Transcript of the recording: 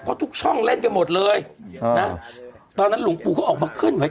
เพราะทุกช่องเล่นกันหมดเลยนะตอนนั้นหลวงปู่เขาออกมาเคลื่อนไหว